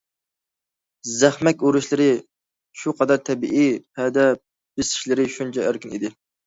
زەخمەك ئۇرۇشلىرى شۇ قەدەر تەبىئىي، پەدە بېسىشلىرى شۇنچە ئەركىن ئىدى.